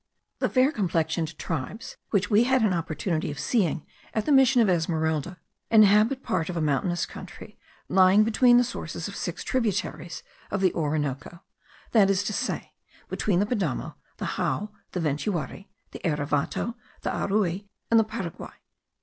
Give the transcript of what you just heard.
The fair complexioned tribes, which we had an opportunity of seeing at the mission of Esmeralda, inhabit part of a mountainous country lying between the sources of six tributaries of the Orinoco; that is to say, between the Padamo, the Jao, the Ventuari, the Erevato, the Aruy, and the Paraguay.